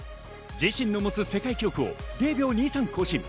自身の持つ世界記録を０秒２３更新。